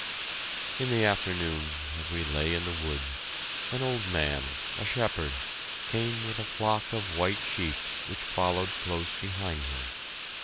In the afternoon, as we lay in the woods, an old man, a shepherd, came with a flock of white sheep which followed close behind him.